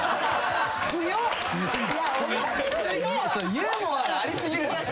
ユーモアがあり過ぎるんです。